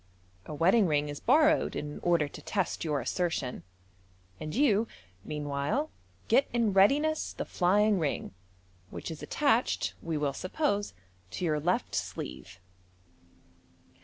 A wedding rii g is borrowed in cder to test your assertion, and you meanwhile get in readiness the flying ring, which is attached, we will suppose, to your left sleeve.